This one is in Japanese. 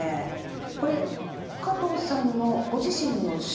これ加藤さんのご自身の書ですか？